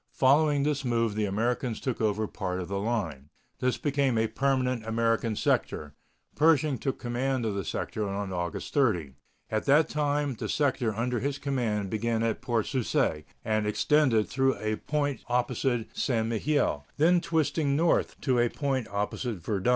Following this move the Americans took over part of the line. This became a permanent American sector. Pershing took command of the sector on August 30. At that time the sector under his command began at Port sur Seille, and extended through a point opposite St. Mihiel, then twisting north to a point opposite Verdun.